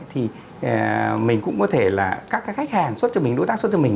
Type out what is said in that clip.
thì mình cũng có thể là các cái khách hàng xuất cho mình đối tác xuất cho mình